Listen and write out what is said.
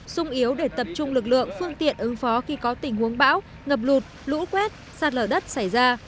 sung yếu để tập trung lực lượng phương tiện ứng phó khi có tình huống bão ngập lụt lũ quét sạt lở đất xảy ra